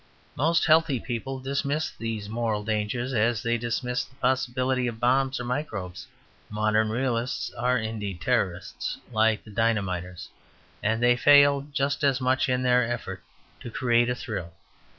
Most healthy people dismiss these moral dangers as they dismiss the possibility of bombs or microbes. Modern realists are indeed Terrorists, like the dynamiters; and they fail just as much in their effort to create a thrill.